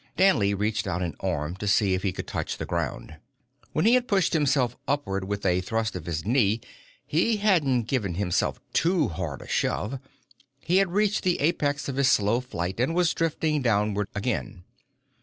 Danley reached out an arm to see if he could touch the ground. When he had pushed himself upwards with a thrust of his knee, he hadn't given himself too hard a shove. He had reached the apex of his slow flight, and was drifting downward again.